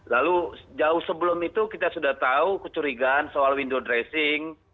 lalu jauh sebelum itu kita sudah tahu kecurigaan soal window dressing